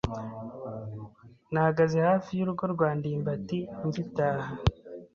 Nahagaze hafi y'urugo rwa ndimbati ngitaha.